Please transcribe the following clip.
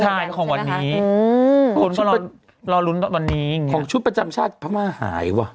อืมคนก็รอรุ้นตอนตอนนี้อย่างเงี้ยของชุดประจำชาติภาคม่าหายว่ะ